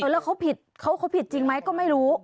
แล้วเขาผิดเขาผิดจริงไหมก็ไม่รู้